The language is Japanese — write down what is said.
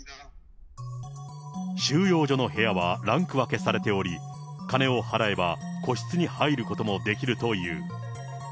収容所の部屋はランク分けされており、金を払えば、個室に入ることもできるという。